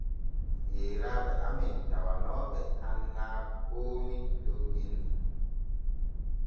Yeyraaɓe amen tawanooɓe annaa koomi dow binni.